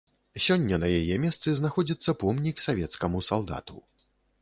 Сёння на яе месцы знаходзіцца помнік савецкаму салдату.